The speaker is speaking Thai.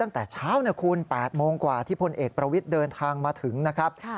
ตั้งแต่เช้านะคุณ๘โมงกว่าที่พลเอกประวิทย์เดินทางมาถึงนะครับ